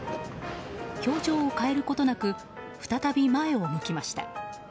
表情を変えることなく再び前を向きました。